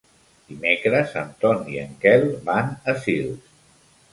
Dimecres en Ton i en Quel van a Sils.